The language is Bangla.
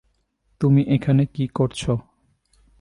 তুমি এখানে কি করছো?